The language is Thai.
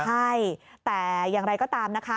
ใช่แต่อย่างไรก็ตามนะคะ